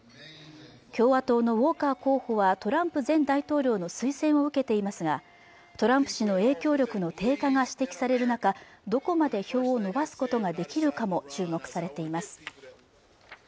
共和党のウォーカー候補はトランプ前大統領の推薦を受けていますがトランプ氏の影響力の低下が指摘される中どこまで票を伸ばすことができるかも注目されています